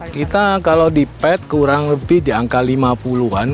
kita kalau di pad kurang lebih di angka lima puluh an